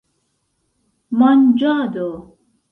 manĝado